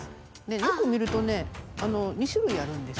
よく見るとね２しゅるいあるんですよ。